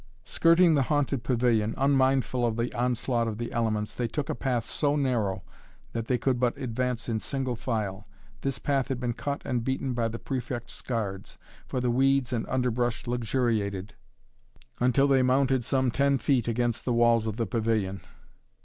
Skirting the haunted pavilion, unmindful of the onslaught of the elements, they took a path so narrow that they could but advance in single file. This path had been cut and beaten by the Prefect's guards, for the weeds and underbrush luxuriated, until they mounted some ten feet against the walls of the pavilion.